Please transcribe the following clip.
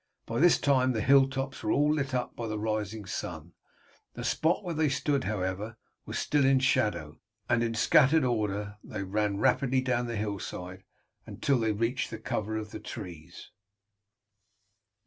By this time the hilltops were all lit up by the rising sun. The spot where they stood, however, was still in shadow, and in scattered order they ran rapidly down the hillside until they reached the cover of the trees.